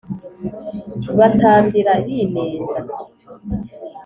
batambira b’ineza